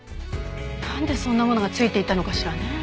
なんでそんなものが付いていたのかしらねえ？